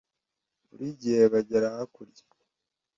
buri gihe bagera ha kurya